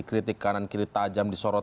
kritik kanan kiri tajam disorot